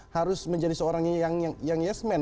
harus menjadi seorang yang yes man